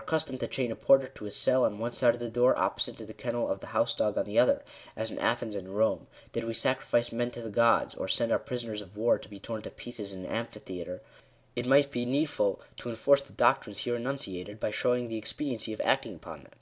113 custom to chain a porter to his oell on one side of the door, opposite to the kennel of the house dog on the other, as in Athens and Rome — did we sacrifice men to the gods, or send our prisoners of war to be torn to pieces in an amphitheatre, it might be needful^ to enforce the doctrines here enunciated, by showing the expediency of acting upon them.